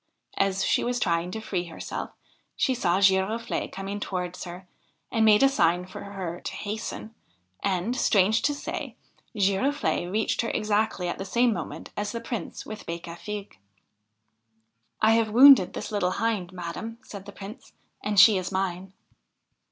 As she was trying to free herself she saw Giroflee coming towards her, and made a sign to her to hasten ; and, strange to say, Giroflde reached her exactly at the same moment as the Prince with Becafigue. ' I have wounded this little Hind, madam,' said the Prince, 'and she is mine.'